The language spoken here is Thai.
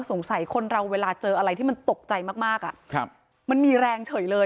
สงสัยคนเราเวลาเจออะไรที่มันตกใจมากมันมีแรงเฉยเลย